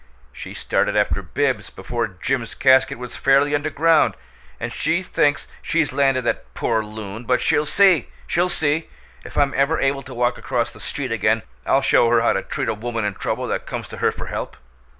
She started after Bibbs before Jim's casket was fairly underground, and she thinks she's landed that poor loon but she'll see! She'll see! If I'm ever able to walk across the street again I'll show her how to treat a woman in trouble that comes to her for help!